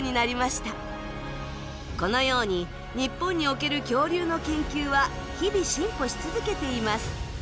このように日本における恐竜の研究は日々進歩し続けています。